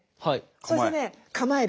そしてね構える。